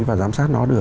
và giám sát nó được